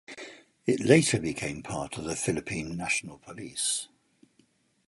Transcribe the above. It later became part of the Philippine National Police.